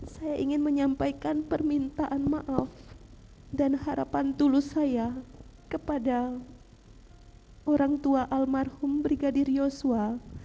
saya ingin menyampaikan permintaan maaf dan harapan tulus saya kepada orang tua almarhum brigadir yosua